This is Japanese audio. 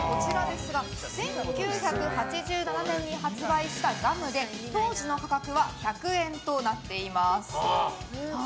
１９８７年に発売したガムで当時の価格は１００円となっています。